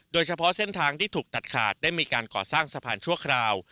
โดยเฉพาะเส้นทางที่ถูกตัดขาดได้มีการก่อสร้างสะพานชั่วคราว